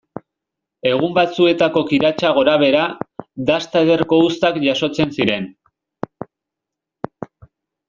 Egun batzuetako kiratsa gorabehera, dasta ederreko uztak jasotzen ziren.